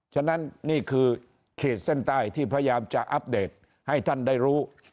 ฉะนั้นนี่คือขีดเส้นใต้ที่พยายามจะอัปเดตให้ท่านได้รู้